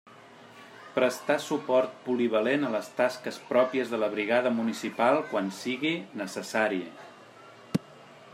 Prestar suport polivalent a les tasques pròpies de la Brigada municipal quan sigui necessari.